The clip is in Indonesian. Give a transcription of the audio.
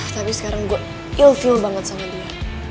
tapi sekarang gue ill feel banget sama dia